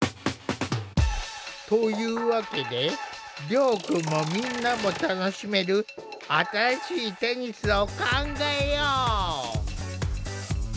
というわけで遼くんもみんなも楽しめる新しいテニスを考えよう！